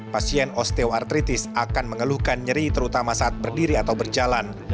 pasien osteoartritis akan mengeluhkan nyeri terutama saat berdiri atau berjalan